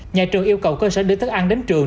nhà trường yêu cầu cơ sở đưa thức ăn đến trường